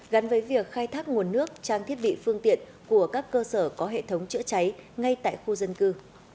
gắn với việc khai thác nguồn nước trang thiết bị phương tiện của các cơ sở có hệ thống chữa cháy ngay tại khu dân cư